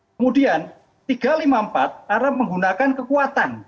kemudian tiga ratus lima puluh empat karena menggunakan kekuatan